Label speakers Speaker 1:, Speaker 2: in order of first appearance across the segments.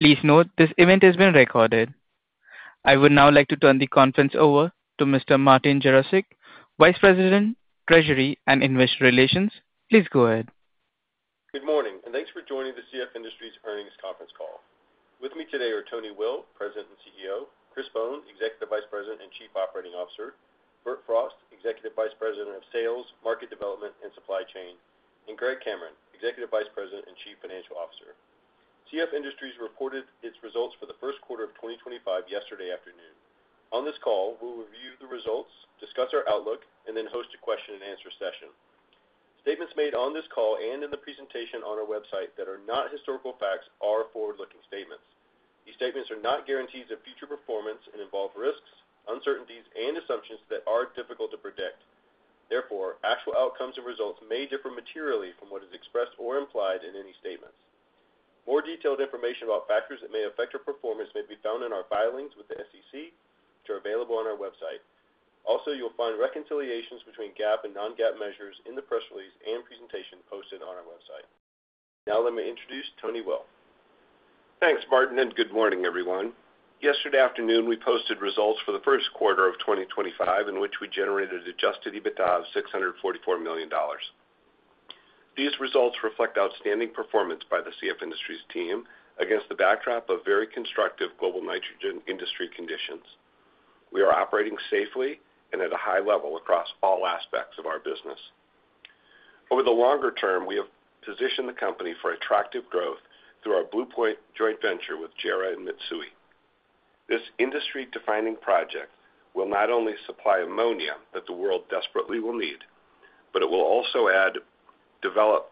Speaker 1: Please note, this event has been recorded. I would now like to turn the conference over to Mr. Martin Jarosick, Vice President, Treasury and Investor Relations. Please go ahead.
Speaker 2: Good morning, and thanks for joining the CF Industries earnings conference call. With me today are Tony Will, President and CEO, Chris Bohn, Executive Vice President and Chief Operating Officer, Bert Frost, Executive Vice President of Sales, Market Development, and Supply Chain, and Greg Cameron, Executive Vice President and Chief Financial Officer. CF Industries reported its results for the first quarter of 2025 yesterday afternoon. On this call, we'll review the results, discuss our outlook, and then host a question-and-answer session. Statements made on this call and in the presentation on our website that are not historical facts are forward-looking statements. These statements are not guarantees of future performance and involve risks, uncertainties, and assumptions that are difficult to predict. Therefore, actual outcomes and results may differ materially from what is expressed or implied in any statements. More detailed information about factors that may affect our performance may be found in our filings with the SEC, which are available on our website. Also, you'll find reconciliations between GAAP and non-GAAP measures in the press release and presentation posted on our website. Now, let me introduce Tony Will.
Speaker 3: Thanks, Martin, and good morning, everyone. Yesterday afternoon, we posted results for the first quarter of 2025, in which we generated an Adjusted EBITDA of $644 million. These results reflect outstanding performance by the CF Industries team against the backdrop of very constructive global nitrogen industry conditions. We are operating safely and at a high level across all aspects of our business. Over the longer term, we have positioned the company for attractive growth through our Blue Point joint venture with JERA and Mitsui. This industry-defining project will not only supply ammonia that the world desperately will need, but it will also develop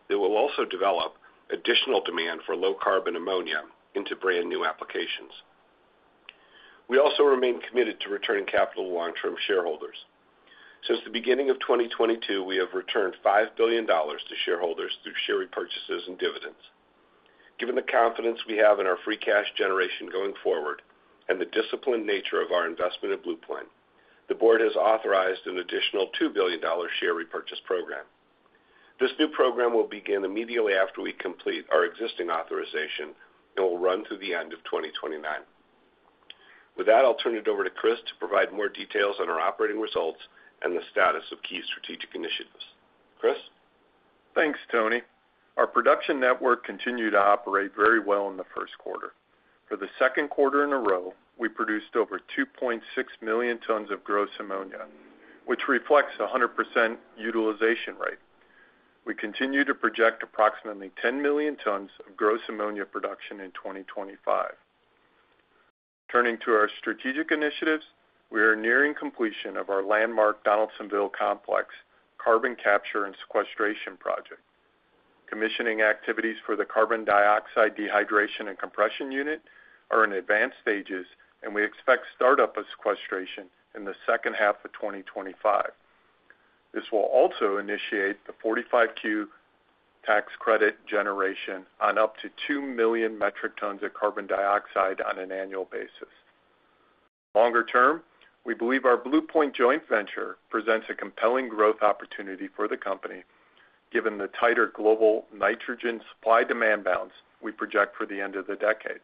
Speaker 3: additional demand for low-carbon ammonia into brand-new applications. We also remain committed to returning capital to long-term shareholders. Since the beginning of 2022, we have returned $5 billion to shareholders through share repurchases and dividends. Given the confidence we have in our free cash generation going forward and the disciplined nature of our investment in Blue Point, the board has authorized an additional $2 billion share repurchase program. This new program will begin immediately after we complete our existing authorization and will run through the end of 2029. With that, I'll turn it over to Chris to provide more details on our operating results and the status of key strategic initiatives. Chris?
Speaker 4: Thanks, Tony. Our production network continued to operate very well in the first quarter. For the second quarter in a row, we produced over 2.6 million tons of gross ammonia, which reflects a 100% utilization rate. We continue to project approximately 10 million tons of gross ammonia production in 2025. Turning to our strategic initiatives, we are nearing completion of our landmark Donaldsonville Complex Carbon Capture and Sequestration project. Commissioning activities for the carbon dioxide dehydration and compression unit are in advanced stages, and we expect startup of sequestration in the second half of 2025. This will also initiate the 45Q tax credit generation on up to 2 million metric tons of carbon dioxide on an annual basis. Longer term, we believe our Blue Point joint venture presents a compelling growth opportunity for the company, given the tighter global nitrogen supply-demand balance we project for the end of the decade.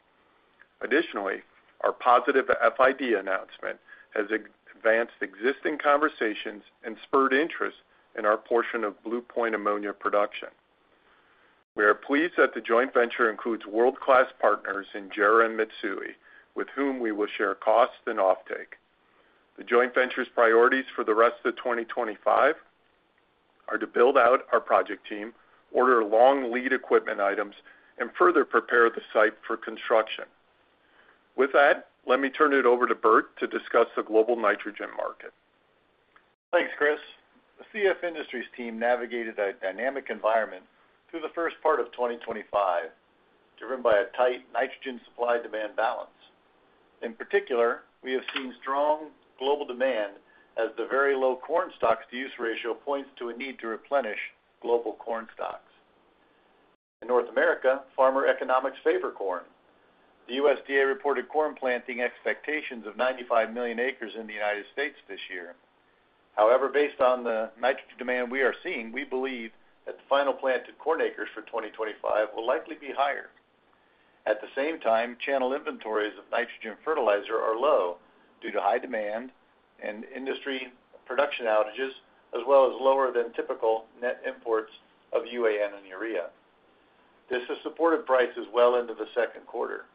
Speaker 4: Additionally, our positive FID announcement has advanced existing conversations and spurred interest in our portion of Blue Point ammonia production. We are pleased that the joint venture includes world-class partners in JERA and Mitsui, with whom we will share costs and offtake. The joint venture's priorities for the rest of 2025 are to build out our project team, order long lead equipment items, and further prepare the site for construction. With that, let me turn it over to Bert to discuss the global nitrogen market.
Speaker 5: Thanks, Chris. The CF Industries team navigated a dynamic environment through the first part of 2025, driven by a tight nitrogen supply-demand balance. In particular, we have seen strong global demand as the very low corn stocks-to-use ratio points to a need to replenish global corn stocks. In North America, farmer economics favor corn. The USDA reported corn planting expectations of 95 million acres in the United States this year. However, based on the nitrogen demand we are seeing, we believe that the final planted corn acres for 2025 will likely be higher. At the same time, channel inventories of nitrogen fertilizer are low due to high demand and industry production outages, as well as lower than typical net imports of UAN and urea. This has supported prices well into the second quarter.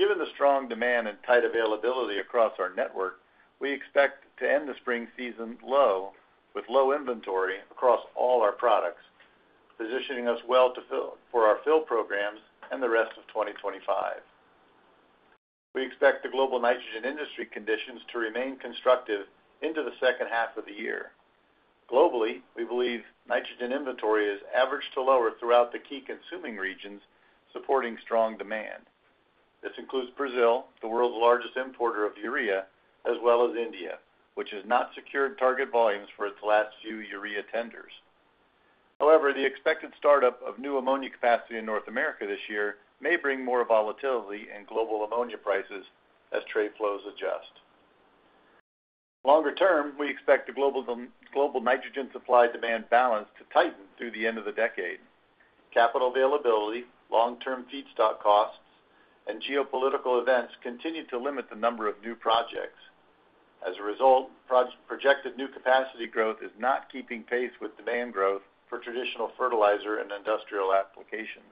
Speaker 5: Given the strong demand and tight availability across our network, we expect to end the spring season low, with low inventory across all our products, positioning us well for our fill programs and the rest of 2025. We expect the global nitrogen industry conditions to remain constructive into the second half of the year. Globally, we believe nitrogen inventory is average to lower throughout the key consuming regions, supporting strong demand. This includes Brazil, the world's largest importer of urea, as well as India, which has not secured target volumes for its last few urea tenders. However, the expected startup of new ammonia capacity in North America this year may bring more volatility in global ammonia prices as trade flows adjust. Longer term, we expect the global nitrogen supply-demand balance to tighten through the end of the decade. Capital availability, long-term feedstock costs, and geopolitical events continue to limit the number of new projects. As a result, projected new capacity growth is not keeping pace with demand growth for traditional fertilizer and industrial applications.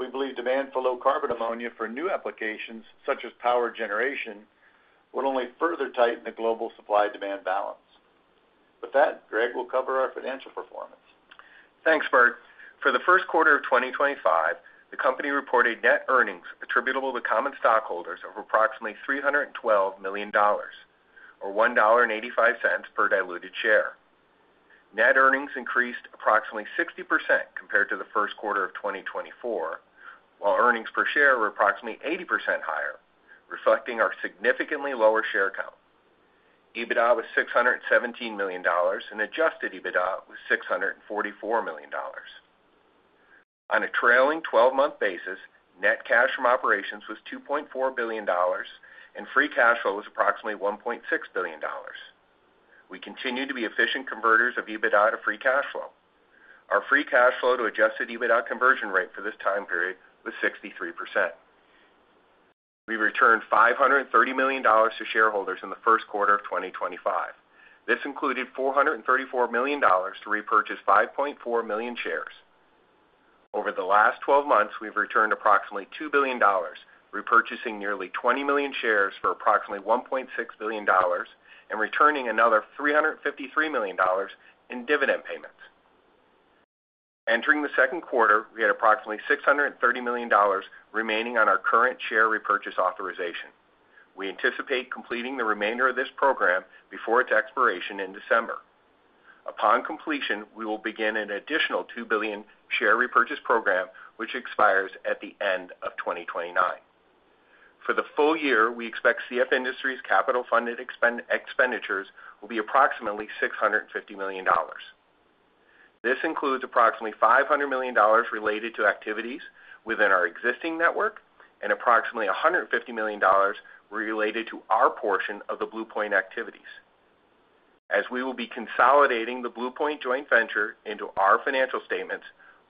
Speaker 5: We believe demand for low-carbon ammonia for new applications, such as power generation, will only further tighten the global supply-demand balance. With that, Greg will cover our financial performance.
Speaker 6: Thanks, Bert. For the first quarter of 2025, the company reported net earnings attributable to common stockholders of approximately $312 million, or $1.85 per diluted share. Net earnings increased approximately 60% compared to the first quarter of 2024, while earnings per share were approximately 80% higher, reflecting our significantly lower share count. EBITDA was $617 million, and Adjusted EBITDA was $644 million. On a trailing 12-month basis, net cash from operations was $2.4 billion, and free cash flow was approximately $1.6 billion. We continue to be efficient converters of EBITDA to free cash flow. Our free cash flow to Adjusted EBITDA conversion rate for this time period was 63%. We returned $530 million to shareholders in the first quarter of 2025. This included $434 million to repurchase 5.4 million shares. Over the last 12 months, we've returned approximately $2 billion, repurchasing nearly 20 million shares for approximately $1.6 billion, and returning another $353 million in dividend payments. Entering the second quarter, we had approximately $630 million remaining on our current share repurchase authorization. We anticipate completing the remainder of this program before its expiration in December. Upon completion, we will begin an additional $2 billion share repurchase program, which expires at the end of 2029. For the full year, we expect CF Industries' capital-funded expenditures will be approximately $650 million. This includes approximately $500 million related to activities within our existing network and approximately $150 million related to our portion of the Blue Point activities. As we will be consolidating the Blue Point joint venture into our financial statements,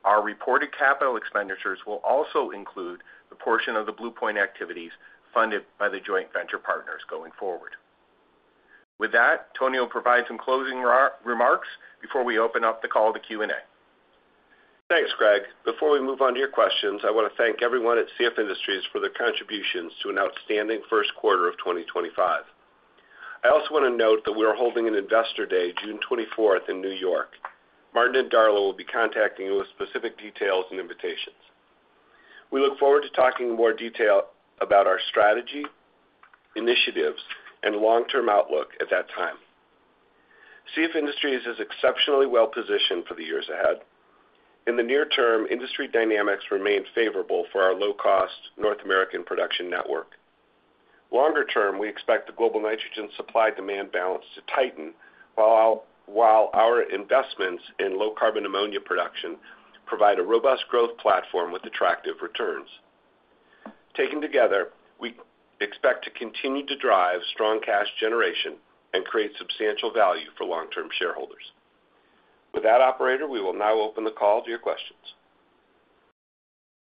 Speaker 6: our reported capital expenditures will also include the portion of the Blue Point activities funded by the joint venture partners going forward. With that, Tony will provide some closing remarks before we open up the call to Q&A.
Speaker 3: Thanks, Greg. Before we move on to your questions, I want to thank everyone at CF Industries for their contributions to an outstanding first quarter of 2025. I also want to note that we are holding an investor day, June 24th, in New York. Martin and Darla will be contacting you with specific details and invitations. We look forward to talking in more detail about our strategy, initiatives, and long-term outlook at that time. CF Industries is exceptionally well-positioned for the years ahead. In the near term, industry dynamics remain favorable for our low-cost North American production network. Longer term, we expect the global nitrogen supply-demand balance to tighten while our investments in low-carbon ammonia production provide a robust growth platform with attractive returns. Taken together, we expect to continue to drive strong cash generation and create substantial value for long-term shareholders. With that, operator, we will now open the call to your questions.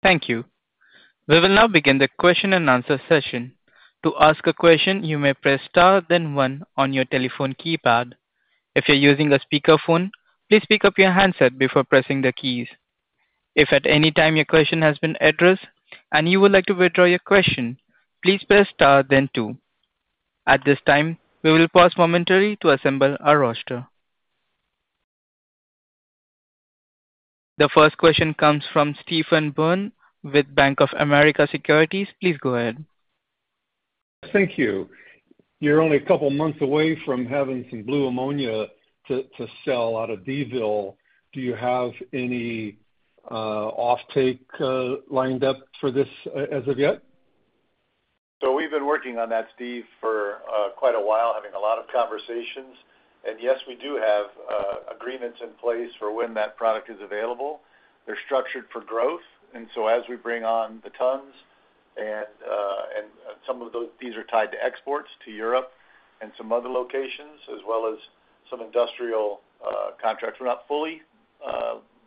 Speaker 1: Thank you. We will now begin the question-and-answer session. To ask a question, you may press star then one on your telephone keypad. If you're using a speakerphone, please pick up your handset before pressing the keys. If at any time your question has been addressed and you would like to withdraw your question, please press star then two. At this time, we will pause momentarily to assemble our roster. The first question comes from Stephen Byrne with Bank of America Securities. Please go ahead.
Speaker 7: Thank you. You're only a couple of months away from having some blue ammonia to sell out of DVille. Do you have any offtake lined up for this as of yet?
Speaker 5: We've been working on that, Steve, for quite a while, having a lot of conversations. Yes, we do have agreements in place for when that product is available. They're structured for growth. As we bring on the tons and some of those, these are tied to exports to Europe and some other locations, as well as some industrial contracts. We're not fully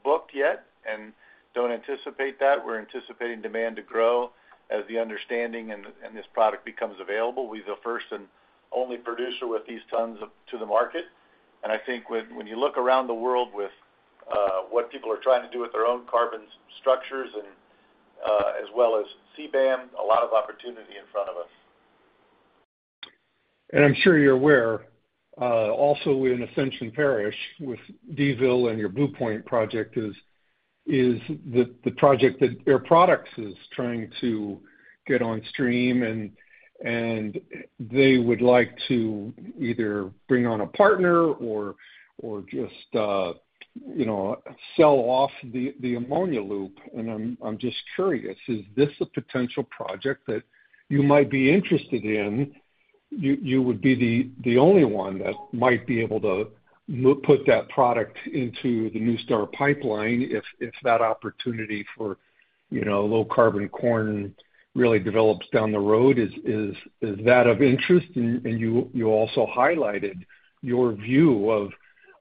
Speaker 5: booked yet and don't anticipate that. We're anticipating demand to grow as the understanding and this product becomes available. We're the first and only producer with these tons to the market. I think when you look around the world with what people are trying to do with their own carbon structures and as well as CBAM, a lot of opportunity in front of us.
Speaker 7: And I'm sure you're aware, also in Ascension Parish with DVille and your Blue Point project is the project that Air Products is trying to get on stream, and they would like to either bring on a partner or just sell off the ammonia loop. And I'm just curious, is this a potential project that you might be interested in? You would be the only one that might be able to put that product into the NuStar pipeline if that opportunity for low-carbon corn really develops down the road. Is that of interest? And you also highlighted your view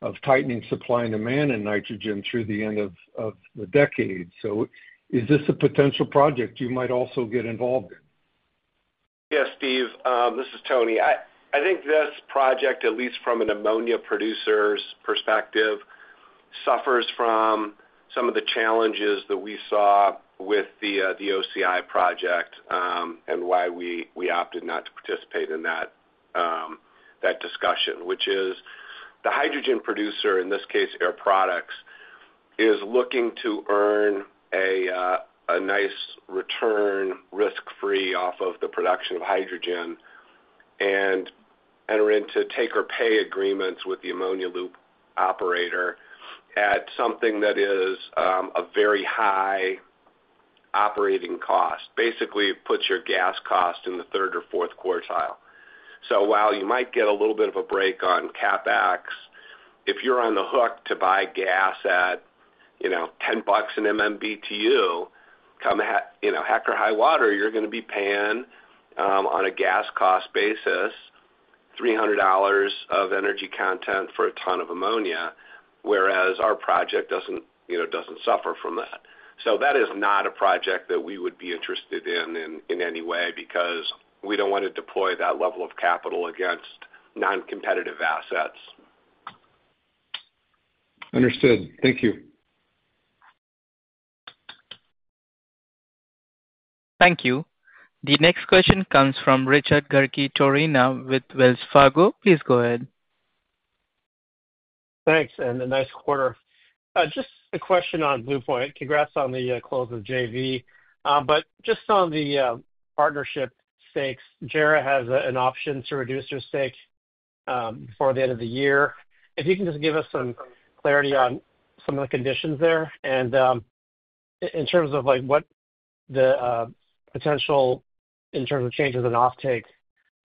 Speaker 7: of tightening supply and demand in nitrogen through the end of the decade. So is this a potential project you might also get involved in?
Speaker 3: Yes, Steve, this is Tony. I think this project, at least from an ammonia producer's perspective, suffers from some of the challenges that we saw with the OCI project and why we opted not to participate in that discussion, which is the hydrogen producer, in this case, Air Products, is looking to earn a nice return, risk-free off of the production of hydrogen and enter into take-or-pay agreements with the ammonia loop operator at something that is a very high operating cost. Basically, it puts your gas cost in the third or fourth quartile. So while you might get a little bit of a break on CapEx, if you're on the hook to buy gas at $10 an MMBtu, come heck or high water, you're going to be paying on a gas cost basis, $300 of energy content for a ton of ammonia, whereas our project doesn't suffer from that. So that is not a project that we would be interested in in any way because we don't want to deploy that level of capital against non-competitive assets.
Speaker 7: Understood. Thank you.
Speaker 1: Thank you. The next question comes from Richard Garchitorena with Wells Fargo. Please go ahead.
Speaker 8: Thanks. And a nice quarter. Just a question on Blue Point. Congrats on the close of JV. But just on the partnership stakes, JERA has an option to reduce its stake before the end of the year. If you can just give us some clarity on some of the conditions there and in terms of what the potential in terms of changes in offtake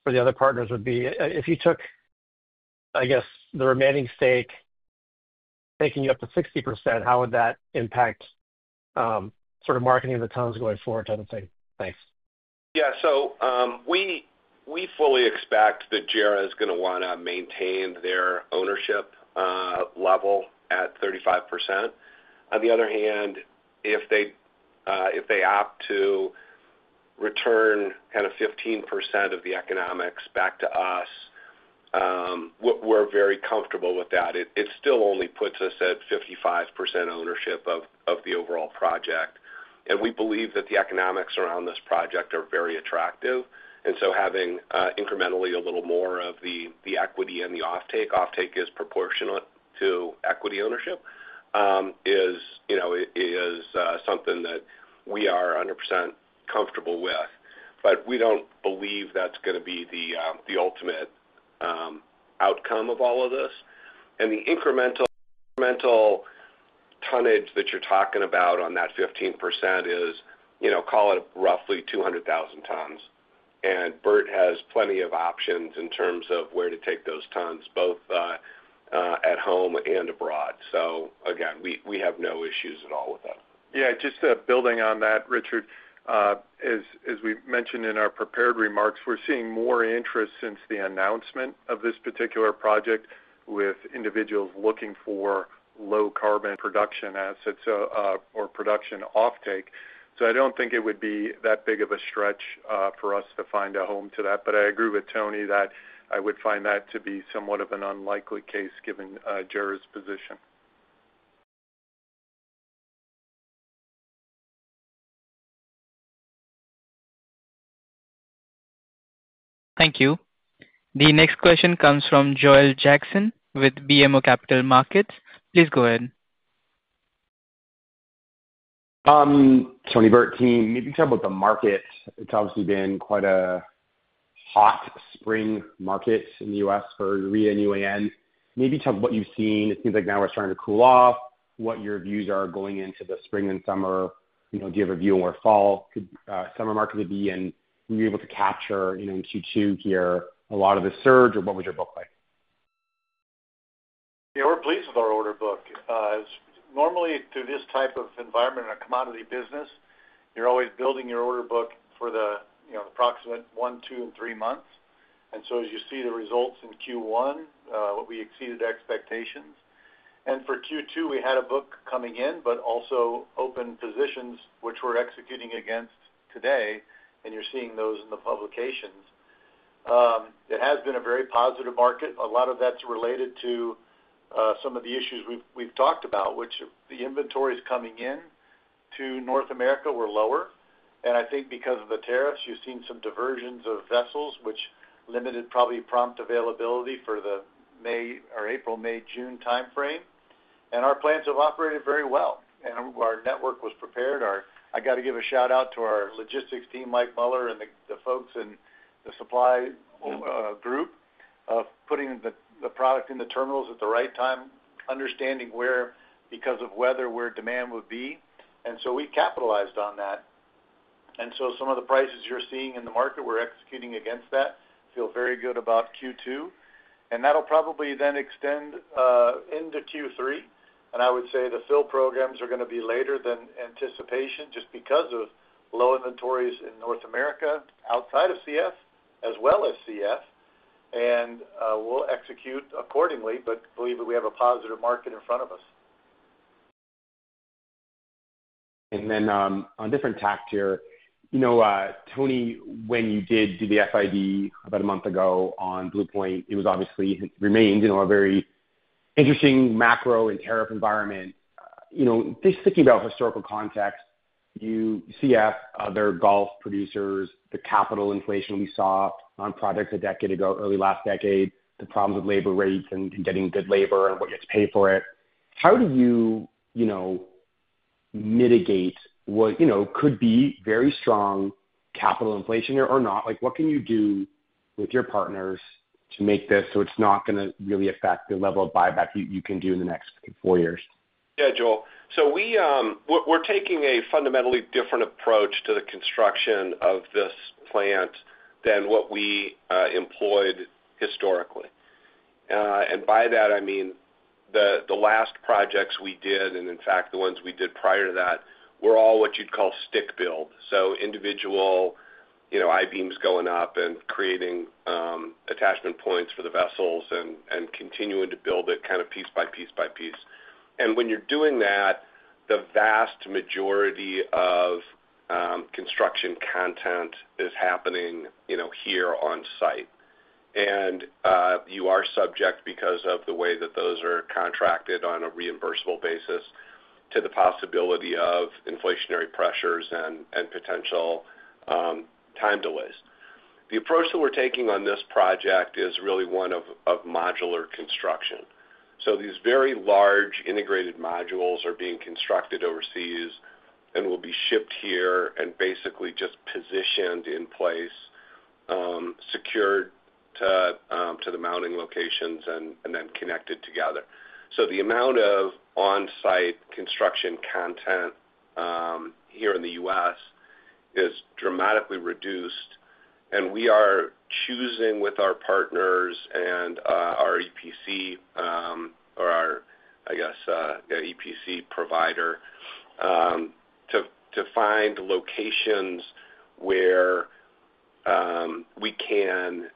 Speaker 8: for the other partners would be. If you took, I guess, the remaining stake, taking you up to 60%, how would that impact sort of marketing the tons going forward type of thing? Thanks.
Speaker 3: Yeah. So we fully expect that JERA is going to want to maintain their ownership level at 35%. On the other hand, if they opt to return kind of 15% of the economics back to us, we're very comfortable with that. It still only puts us at 55% ownership of the overall project. And we believe that the economics around this project are very attractive. And so having incrementally a little more of the equity in the offtake is proportional to equity ownership, is something that we are 100% comfortable with. But we don't believe that's going to be the ultimate outcome of all of this. And the incremental tonnage that you're talking about on that 15% is, call it roughly 200,000 tons. And Bert has plenty of options in terms of where to take those tons, both at home and abroad. Again, we have no issues at all with that.
Speaker 5: Yeah. Just building on that, Richard, as we mentioned in our prepared remarks, we're seeing more interest since the announcement of this particular project with individuals looking for low-carbon production assets or production offtake. So I don't think it would be that big of a stretch for us to find a home to that. But I agree with Tony that I would find that to be somewhat of an unlikely case given JERA's position.
Speaker 1: Thank you. The next question comes from Joel Jackson with BMO Capital Markets. Please go ahead.
Speaker 9: Tony, Bert, team, maybe talk about the market. It's obviously been quite a hot spring market in the U.S. for UAN. Maybe talk about what you've seen. It seems like now we're starting to cool off. What are your views going into the spring and summer? Do you have a view on where fall, summer market could be? And were you able to capture in Q2 here a lot of the surge or what was your book like?
Speaker 3: Yeah, we're pleased with our order book. Normally, through this type of environment in a commodity business, you're always building your order book for the approximate one, two, and three months. And so as you see the results in Q1, we exceeded expectations. And for Q2, we had a book coming in, but also open positions which we're executing against today, and you're seeing those in the publications. It has been a very positive market. A lot of that's related to some of the issues we've talked about, which the inventories coming in to North America were lower. And I think because of the tariffs, you've seen some diversions of vessels, which limited probably prompt availability for the April, May, June timeframe. And our plans have operated very well. And our network was prepared. I got to give a shout-out to our logistics team, Mike Mueller, and the folks in the supply group of putting the product in the terminals at the right time, understanding where because of weather where demand would be, and so we capitalized on that, and so some of the prices you're seeing in the market we're executing against that. Feel very good about Q2, and that'll probably then extend into Q3, and I would say the fill programs are going to be later than anticipation just because of low inventories in North America outside of CF, as well as CF, and we'll execute accordingly, but believe that we have a positive market in front of us.
Speaker 9: Then on a different tack here, Tony, when you did do the FID about a month ago on Blue Point, it was obviously remained a very interesting macro and tariff environment. Just thinking about historical context, you see other Gulf producers, the capital inflation we saw on projects a decade ago, early last decade, the problems with labor rates and getting good labor and what you have to pay for it. How do you mitigate what could be very strong capital inflation or not? What can you do with your partners to make this so it's not going to really affect the level of buyback you can do in the next four years?
Speaker 3: Yeah, Joel. So we're taking a fundamentally different approach to the construction of this plant than what we employed historically. And by that, I mean the last projects we did, and in fact, the ones we did prior to that, were all what you'd call stick-built. So individual I-beams going up and creating attachment points for the vessels and continuing to build it kind of piece by piece by piece. And when you're doing that, the vast majority of construction content is happening here on site. And you are subject because of the way that those are contracted on a reimbursable basis to the possibility of inflationary pressures and potential time delays. The approach that we're taking on this project is really one of modular construction. These very large integrated modules are being constructed overseas and will be shipped here and basically just positioned in place, secured to the mounting locations, and then connected together. So the amount of on-site construction content here in the U.S. is dramatically reduced. And we are choosing with our partners and our EPC or our, I guess, EPC provider to find locations where we can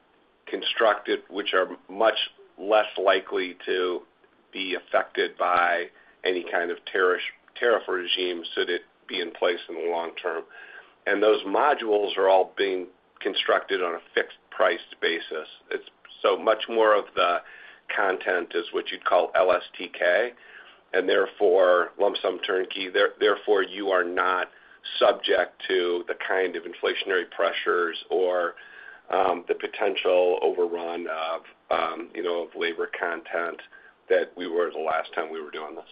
Speaker 3: construct it, which are much less likely to be affected by any kind of tariff regime should it be in place in the long term. And those modules are all being constructed on a fixed price basis. So much more of the content is what you'd call LSTK. And therefore, lump sum turnkey, therefore you are not subject to the kind of inflationary pressures or the potential overrun of labor content that we were the last time we were doing this.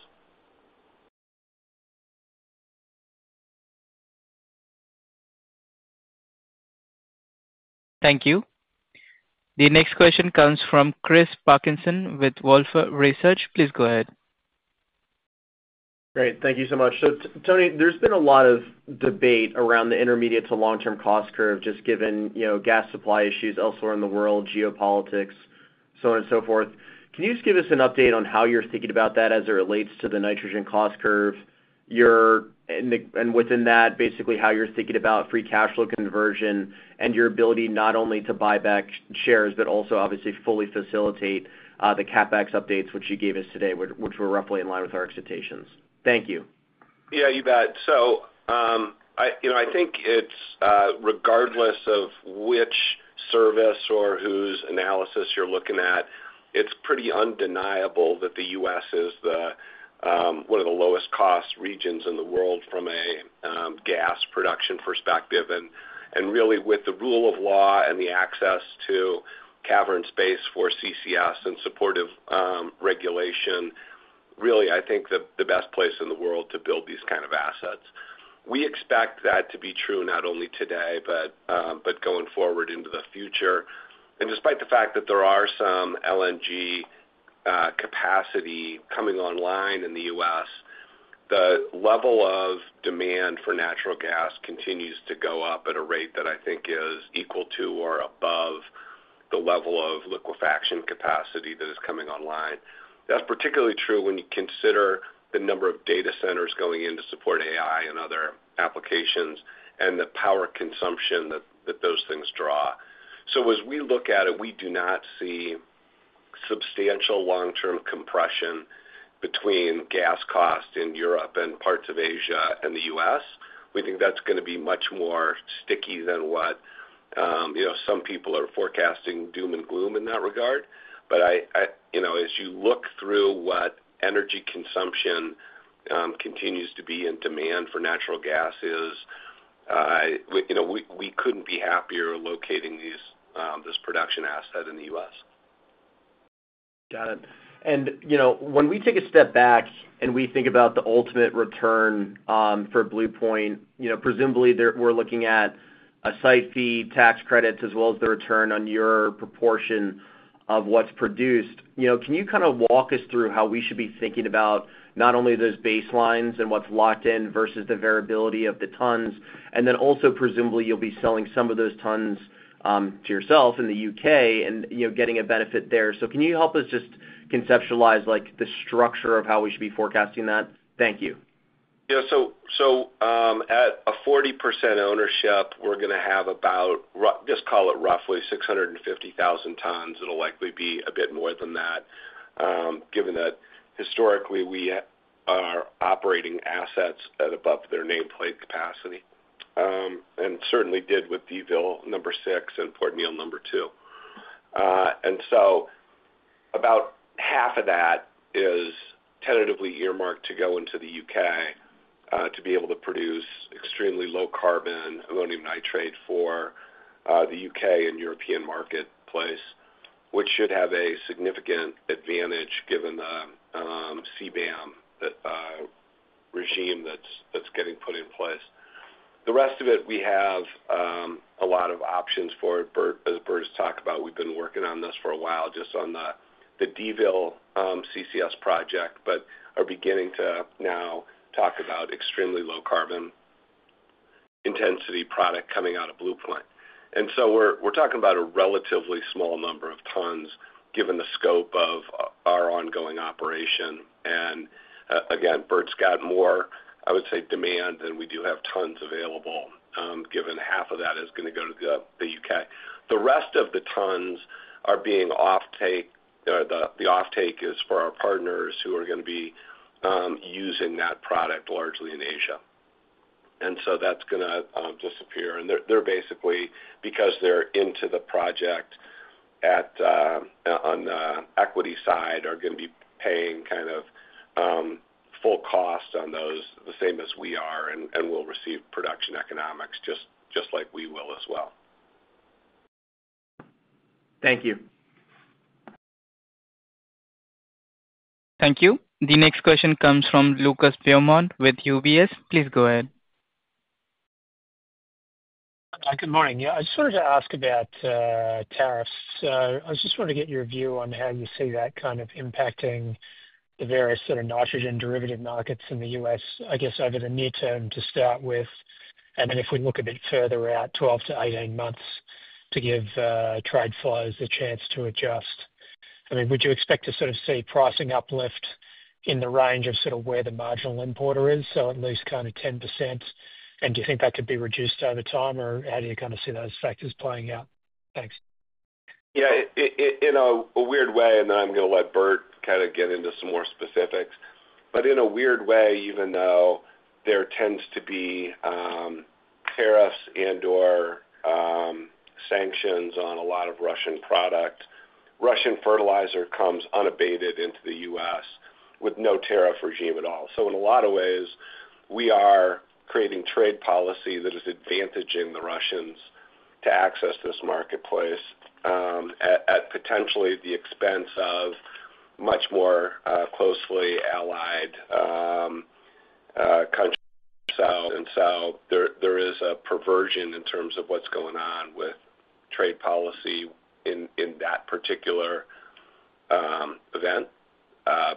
Speaker 1: Thank you. The next question comes from Chris Parkinson with Wolfe Research. Please go ahead.
Speaker 10: Great. Thank you so much. So Tony, there's been a lot of debate around the intermediate to long-term cost curve just given gas supply issues elsewhere in the world, geopolitics, so on and so forth. Can you just give us an update on how you're thinking about that as it relates to the nitrogen cost curve and within that, basically how you're thinking about free cash flow conversion and your ability not only to buy back shares, but also obviously fully facilitate the CapEx updates, which you gave us today, which were roughly in line with our expectations. Thank you.
Speaker 3: Yeah, you bet. So I think it's regardless of which service or whose analysis you're looking at, it's pretty undeniable that the U.S. is one of the lowest cost regions in the world from a gas production perspective. And really, with the rule of law and the access to cavern space for CCS and supportive regulation, really, I think the best place in the world to build these kinds of assets. We expect that to be true not only today, but going forward into the future. And despite the fact that there are some LNG capacity coming online in the U.S., the level of demand for natural gas continues to go up at a rate that I think is equal to or above the level of liquefaction capacity that is coming online. That's particularly true when you consider the number of data centers going into support AI and other applications and the power consumption that those things draw. So as we look at it, we do not see substantial long-term compression between gas costs in Europe and parts of Asia and the U.S. We think that's going to be much more sticky than what some people are forecasting doom and gloom in that regard. But as you look through what energy consumption continues to be in demand for natural gas is, we couldn't be happier locating this production asset in the U.S.
Speaker 10: Got it, and when we take a step back and we think about the ultimate return for Blue Point, presumably we're looking at a site fee, tax credits, as well as the return on your proportion of what's produced. Can you kind of walk us through how we should be thinking about not only those baselines and what's locked in versus the variability of the tons, and then also presumably you'll be selling some of those tons to yourself in the U.K. and getting a benefit there? So can you help us just conceptualize the structure of how we should be forecasting that? Thank you.
Speaker 3: Yeah. So at a 40% ownership, we're going to have about, just call it roughly 650,000 tons. It'll likely be a bit more than that given that historically we are operating assets at above their nameplate capacity, and certainly did with DVille number six and Port Neal number two, and so about half of that is tentatively earmarked to go into the U.K. to be able to produce extremely low carbon ammonium nitrate for the U.K. and European marketplace, which should have a significant advantage given the CBAM regime that's getting put in place. The rest of it, we have a lot of options for it. As Bert has talked about, we've been working on this for a while just on the DVille CCS project, but are beginning to now talk about extremely low carbon intensity product coming out of Blue Point. And so we're talking about a relatively small number of tons given the scope of our ongoing operation. And again, Bert's got more, I would say, demand than we do have tons available given half of that is going to go to the U.K. The rest of the tons are being offtake. The offtake is for our partners who are going to be using that product largely in Asia. And so that's going to disappear. And they're basically, because they're into the project on the equity side, are going to be paying kind of full cost on those, the same as we are, and we'll receive production economics just like we will as well.
Speaker 10: Thank you.
Speaker 1: Thank you. The next question comes from Lucas Beaumont with UBS. Please go ahead.
Speaker 11: Good morning. Yeah, I just wanted to ask about tariffs. I just wanted to get your view on how you see that kind of impacting the various sort of nitrogen derivative markets in the U.S., I guess over the near term to start with. And then if we look a bit further out, 12-18 months to give trade flows a chance to adjust. I mean, would you expect to sort of see pricing uplift in the range of sort of where the marginal importer is, so at least kind of 10%? And do you think that could be reduced over time, or how do you kind of see those factors playing out? Thanks.
Speaker 3: Yeah, in a weird way, and then I'm going to let Bert kind of get into some more specifics. But in a weird way, even though there tends to be tariffs and/or sanctions on a lot of Russian product, Russian fertilizer comes unabated into the U.S. with no tariff regime at all. So in a lot of ways, we are creating trade policy that is advantaging the Russians to access this marketplace at potentially the expense of much more closely allied countries. And so there is a perversion in terms of what's going on with trade policy in that particular event.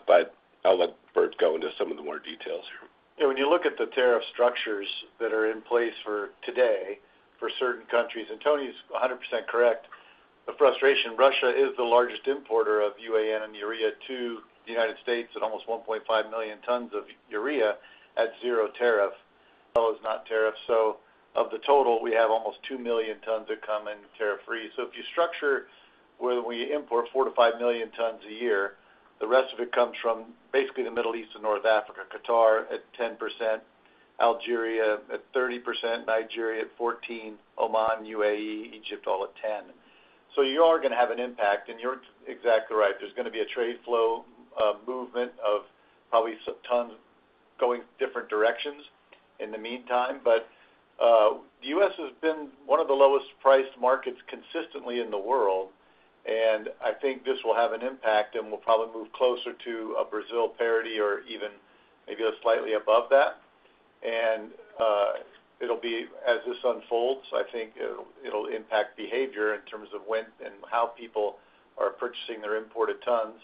Speaker 3: But I'll let Bert go into some of the more details here.
Speaker 5: Yeah. When you look at the tariff structures that are in place for today for certain countries, and Tony's 100% correct, the frustration. Russia is the largest importer of UAN and urea to the United States at almost 1.5 million tons of urea at zero tariff. Is not tariff. So of the total, we have almost 2 million tons that come in tariff-free. So if you structure where we import 4-5 million tons a year, the rest of it comes from basically the Middle East and North Africa, Qatar at 10%, Algeria at 30%, Nigeria at 14%, Oman, UAE, Egypt all at 10%. So you are going to have an impact. And you're exactly right. There's going to be a trade flow movement of probably some tons going different directions in the meantime. But the U.S. has been one of the lowest priced markets consistently in the world. I think this will have an impact and will probably move closer to a Brazil parity or even maybe slightly above that. As this unfolds, I think it'll impact behavior in terms of when and how people are purchasing their imported tons.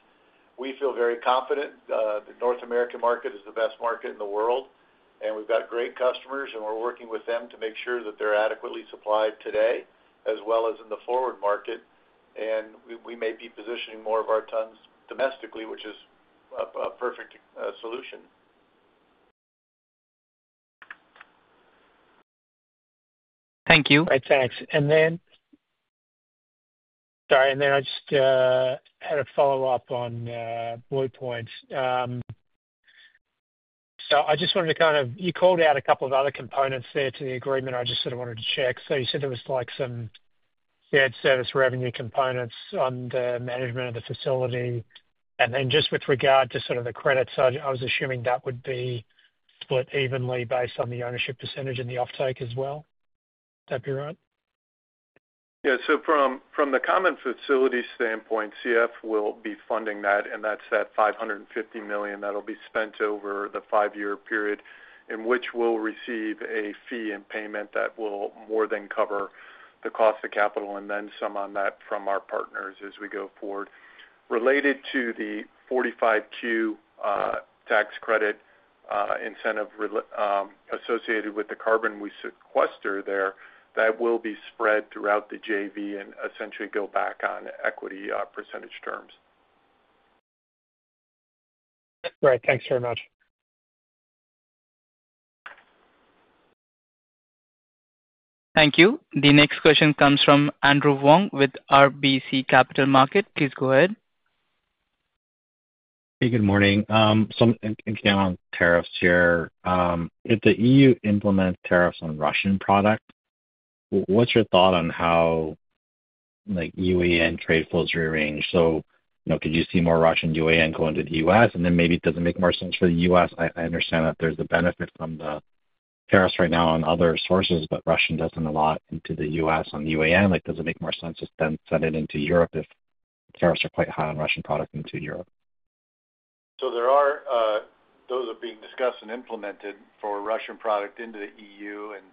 Speaker 5: We feel very confident that the North American market is the best market in the world. We've got great customers, and we're working with them to make sure that they're adequately supplied today as well as in the forward market. We may be positioning more of our tons domestically, which is a perfect solution.
Speaker 1: Thank you.
Speaker 11: Right. Thanks. And then, sorry, and then I just had a follow-up on Blue Point. So I just wanted to kind of you called out a couple of other components there to the agreement. I just sort of wanted to check. So you said there was some shared service revenue components on the management of the facility. And then just with regard to sort of the credits, I was assuming that would be split evenly based on the ownership percentage and the offtake as well. Would that be right?
Speaker 5: Yeah, so from the common facility standpoint, CF will be funding that, and that's that $550 million that'll be spent over the five-year period in which we'll receive a fee and payment that will more than cover the cost of capital and then some on that from our partners as we go forward. Related to the 45Q tax credit incentive associated with the carbon we sequester there, that will be spread throughout the JV and essentially go back on equity percentage terms.
Speaker 11: Great. Thanks very much.
Speaker 1: Thank you. The next question comes from Andrew Wong with RBC Capital Markets. Please go ahead.
Speaker 12: Hey, good morning. So, I'm thinking on tariffs here. If the E.U. implements tariffs on Russian product, what's your thought on how UAN trade flows rearrange? So, could you see more Russian UAN going to the U.S.? And then maybe it doesn't make more sense for the U.S. I understand that there's a benefit from the tariffs right now on other sources, but Russian doesn't a lot into the U.S. on UAN. Does it make more sense to then send it into Europe if tariffs are quite high on Russian product into Europe?
Speaker 3: So those are being discussed and implemented for Russian product into the E.U. And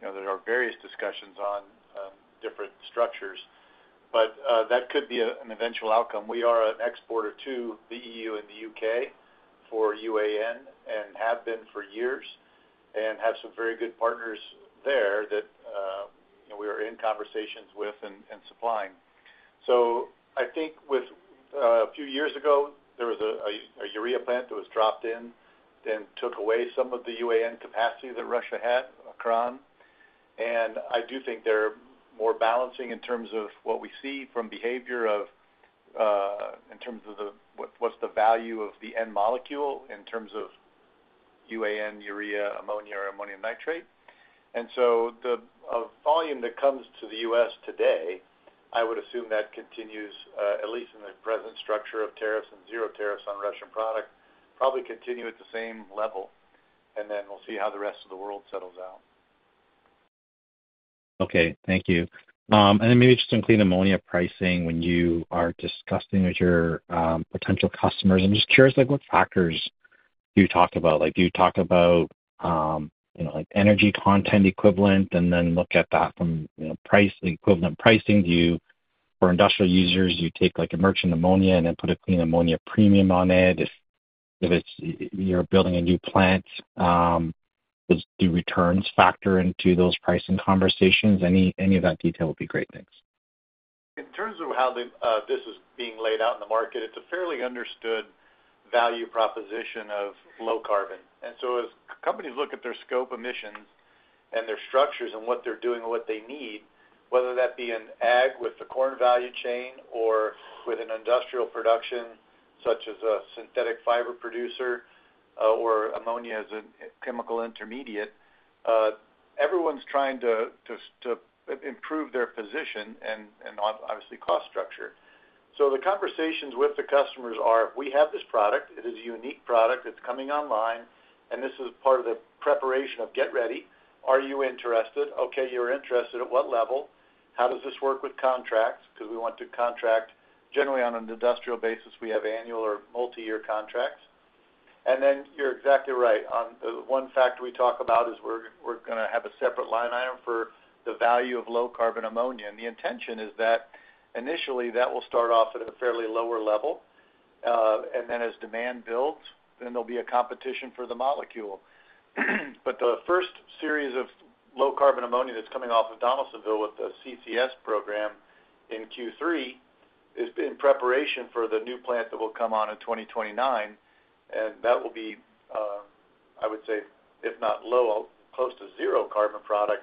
Speaker 3: there are various discussions on different structures. But that could be an eventual outcome. We are an exporter to the E.U. and the U.K. for UAN and have been for years and have some very good partners there that we are in conversations with and supplying. So I think with a few years ago, there was a urea plant that was dropped in, then took away some of the UAN capacity that Russia had, AN. And I do think they're more balancing in terms of what we see from behavior of what's the value of the end molecule in terms of UAN, urea, ammonia, or ammonium nitrate. And so the volume that comes to the U.S. today, I would assume that continues at least in the present structure of tariffs and zero tariffs on Russian product, probably continue at the same level. And then we'll see how the rest of the world settles out.
Speaker 12: Okay. Thank you. And then maybe just some clean ammonia pricing when you are discussing with your potential customers. I'm just curious what factors you talk about. Do you talk about energy content equivalent and then look at that from equivalent pricing? For industrial users, you take a merchant ammonia and then put a clean ammonia premium on it. If you're building a new plant, do returns factor into those pricing conversations? Any of that detail would be great. Thanks.
Speaker 3: In terms of how this is being laid out in the market, it's a fairly understood value proposition of low carbon. And so as companies look at their Scope emissions and their structures and what they're doing and what they need, whether that be an ag with the corn value chain or with an industrial production such as a synthetic fiber producer or ammonia as a chemical intermediate, everyone's trying to improve their position and obviously cost structure. So the conversations with the customers are, "We have this product. It is a unique product. It's coming online. And this is part of the preparation of get ready. Are you interested? Okay, you're interested. At what level? How does this work with contracts?" Because we want to contract generally on an industrial basis. We have annual or multi-year contracts. And then you're exactly right. One factor we talk about is we're going to have a separate line item for the value of low carbon ammonia. And the intention is that initially that will start off at a fairly lower level. And then as demand builds, then there'll be a competition for the molecule. But the first series of low carbon ammonia that's coming off of Donaldsonville with the CCS program in Q3 is in preparation for the new plant that will come on in 2029. And that will be, I would say, if not low, close to zero carbon product.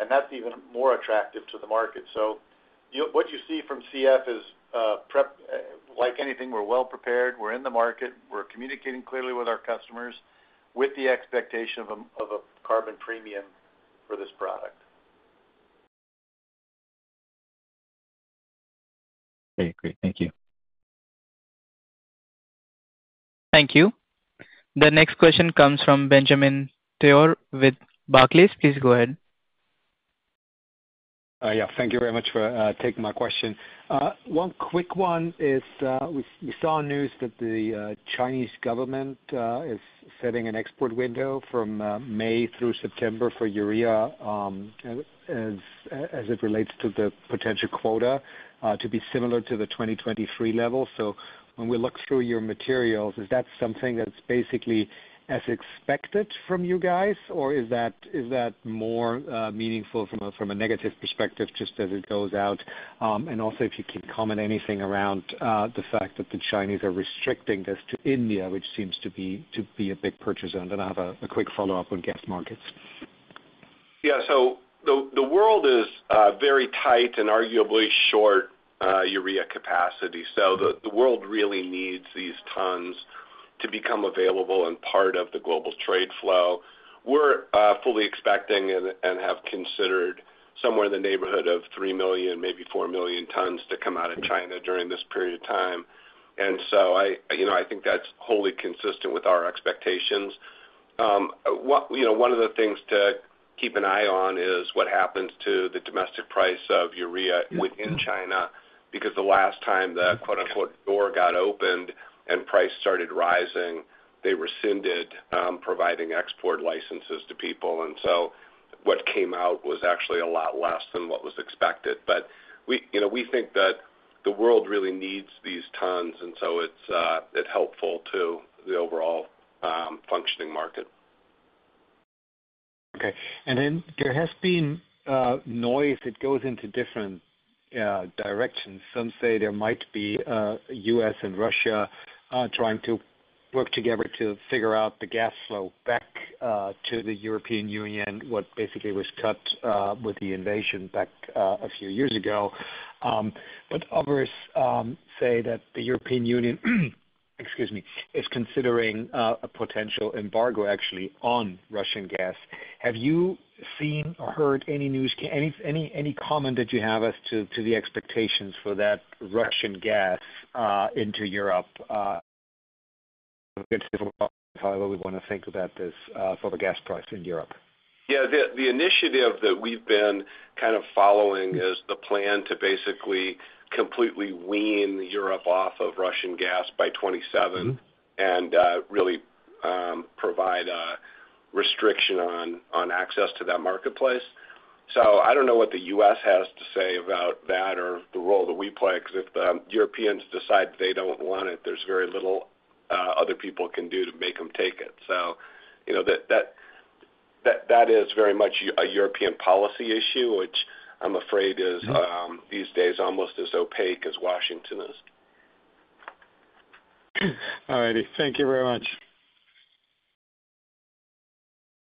Speaker 3: And that's even more attractive to the market. So what you see from CF is, like anything, we're well prepared. We're in the market. We're communicating clearly with our customers with the expectation of a carbon premium for this product.
Speaker 12: Okay. Great. Thank you.
Speaker 1: Thank you. The next question comes from Benjamin Theurer with Barclays. Please go ahead.
Speaker 13: Yeah. Thank you very much for taking my question. One quick one is we saw news that the Chinese government is setting an export window from May through September for urea as it relates to the potential quota to be similar to the 2023 level. So when we look through your materials, is that something that's basically as expected from you guys, or is that more meaningful from a negative perspective just as it goes out? And also, if you can comment anything around the fact that the Chinese are restricting this to India, which seems to be a big purchase zone. Then I have a quick follow-up on gas markets.
Speaker 5: Yeah. So the world is very tight and arguably short urea capacity. So the world really needs these tons to become available and part of the global trade flow. We're fully expecting and have considered somewhere in the neighborhood of three million, maybe four million tons to come out of China during this period of time. And so I think that's wholly consistent with our expectations. One of the things to keep an eye on is what happens to the domestic price of urea within China because the last time the "door" got opened and price started rising, they rescinded providing export licenses to people. And so what came out was actually a lot less than what was expected. But we think that the world really needs these tons. And so it's helpful to the overall functioning market.
Speaker 13: Okay. And then there has been noise that goes into different directions. Some say there might be U.S. and Russia trying to work together to figure out the gas flow back to the European Union, what basically was cut with the invasion back a few years ago, but others say that the European Union, excuse me, is considering a potential embargo actually on Russian gas. Have you seen or heard any news, any comment that you have as to the expectations for that Russian gas into Europe? However, we want to think about this for the gas price in Europe.
Speaker 5: Yeah. The initiative that we've been kind of following is the plan to basically completely wean Europe off of Russian gas by 2027 and really provide a restriction on access to that marketplace. So I don't know what the U.S. has to say about that or the role that we play because if the Europeans decide they don't want it, there's very little other people can do to make them take it. So that is very much a European policy issue, which I'm afraid is these days almost as opaque as Washington is.
Speaker 13: All righty. Thank you very much.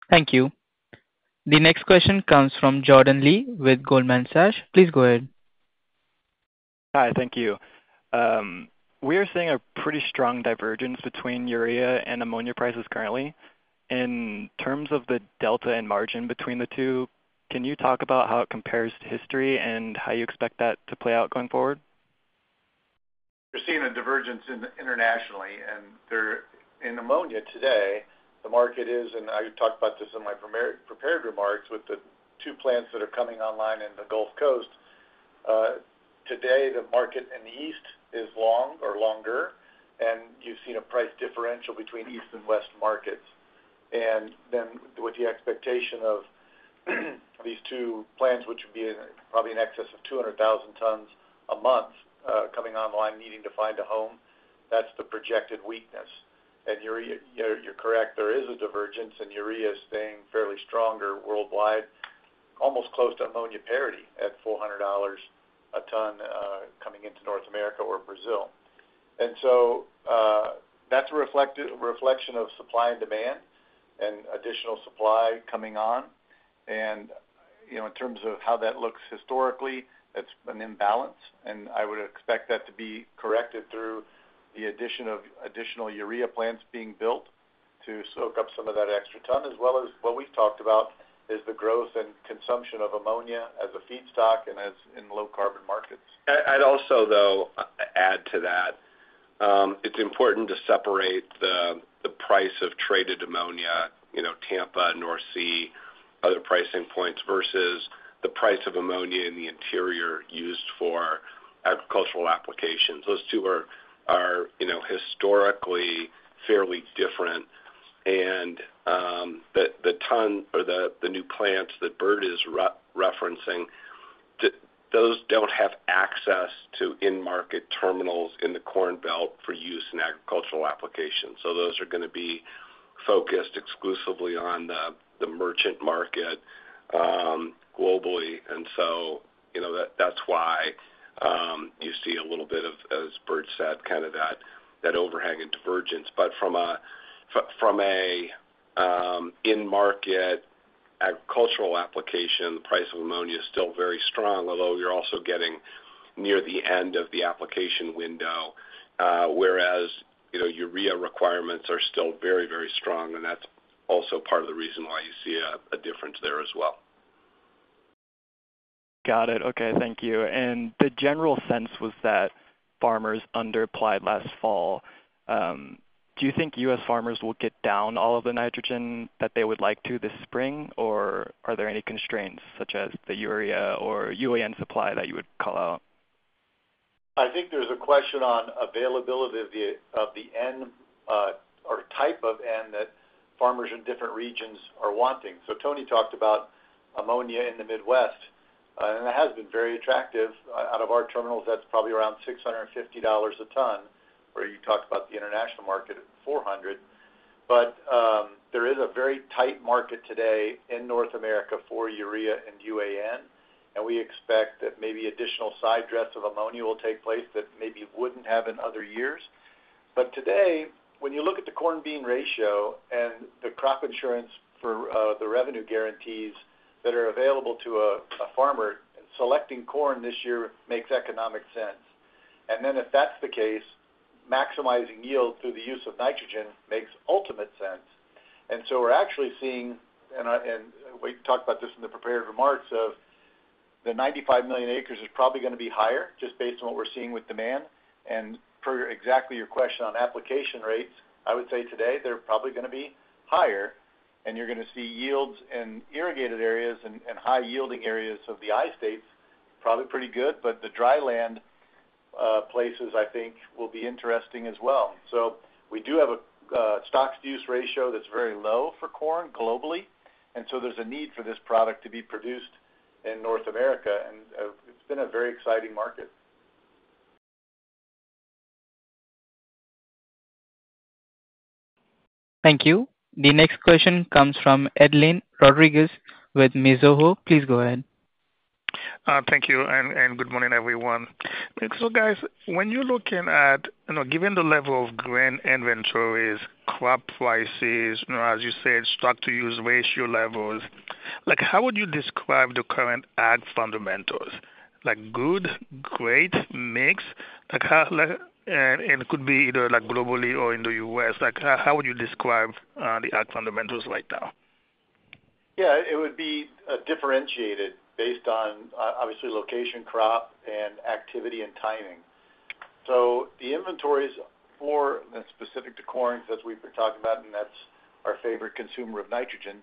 Speaker 1: Thank you. The next question comes from Jordan Lee with Goldman Sachs. Please go ahead.
Speaker 14: Hi. Thank you. We are seeing a pretty strong divergence between urea and ammonia prices currently. In terms of the delta and margin between the two, can you talk about how it compares to history and how you expect that to play out going forward?
Speaker 3: You're seeing a divergence internationally, and in ammonia today, the market is, and I talked about this in my prepared remarks with the two plants that are coming online in the Gulf Coast. Today, the market in the east is long or longer, and you've seen a price differential between east and west markets, and then with the expectation of these two plants, which would be probably in excess of 200,000 tons a month coming online needing to find a home, that's the projected weakness, and you're correct. There is a divergence, and urea is staying fairly stronger worldwide, almost close to ammonia parity at $400 a ton coming into North America or Brazil, and so that's a reflection of supply and demand and additional supply coming on, and in terms of how that looks historically, it's an imbalance. I would expect that to be corrected through the addition of additional urea plants being built to soak up some of that extra ton, as well as what we've talked about is the growth and consumption of ammonia as a feedstock and as in low carbon markets.
Speaker 5: I'd also, though, add to that. It's important to separate the price of traded ammonia, Tampa, North Sea, other pricing points versus the price of ammonia in the interior used for agricultural applications. Those two are historically fairly different. And the tonnage of the new plants that Bert is referencing, those don't have access to in-market terminals in the Corn Belt for use in agricultural applications. So those are going to be focused exclusively on the merchant market globally. And so that's why you see a little bit of, as Bert said, kind of that overhang and divergence. But from an in-market agricultural application, the price of ammonia is still very strong, although you're also getting near the end of the application window, whereas urea requirements are still very, very strong. And that's also part of the reason why you see a difference there as well.
Speaker 14: Got it. Okay. Thank you. And the general sense was that farmers underapplied last fall. Do you think U.S. farmers will get down all of the nitrogen that they would like to this spring, or are there any constraints such as the urea or UAN supply that you would call out?
Speaker 3: I think there's a question on availability of the N or type of N that farmers in different regions are wanting. So Tony talked about ammonia in the Midwest, and it has been very attractive. Out of our terminals, that's probably around $650 a ton, where you talked about the international market at $400. But there is a very tight market today in North America for urea and UAN. And we expect that maybe additional side dress of ammonia will take place that maybe wouldn't have in other years. But today, when you look at the corn-bean ratio and the crop insurance for the revenue guarantees that are available to a farmer, selecting corn this year makes economic sense. And then if that's the case, maximizing yield through the use of nitrogen makes ultimate sense. And so we're actually seeing, and we talked about this in the prepared remarks, that the 95 million acres is probably going to be higher just based on what we're seeing with demand. And for exactly your question on application rates, I would say today they're probably going to be higher. And you're going to see yields in irrigated areas and high-yielding areas of the I-States probably pretty good. But the dry land places, I think, will be interesting as well. So we do have a stocks-to-use ratio that's very low for corn globally. And so there's a need for this product to be produced in North America. And it's been a very exciting market.
Speaker 1: Thank you. The next question comes from Edlain Rodriguez with Mizuho. Please go ahead.
Speaker 15: Thank you and good morning, everyone. So guys, when you're looking at, given the level of grain inventories, crop prices, as you said, stocks-to-use ratio levels, how would you describe the current ag fundamentals? Good, great, mix? It could be either globally or in the US. How would you describe the ag fundamentals right now?
Speaker 5: Yeah. It would be differentiated based on, obviously, location, crop, and activity and timing. So the inventories, specific to corn, as we've been talking about, and that's our favorite consumer of nitrogen,